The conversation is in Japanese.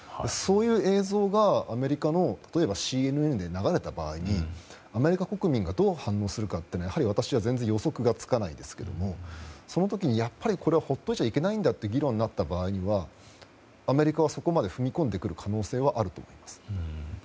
そういう映像がアメリカのＣＮＮで流れた場合にアメリカ国民がどう反応するか私は全然予測がつかないんですけどもその時に、やっぱりこれは放っておいてはいけないという議論になった場合アメリカがそこまで踏み込んでくる可能性はあると思います。